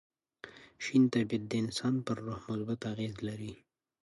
شین طبیعت د انسان پر روح مثبت اغېزه لري.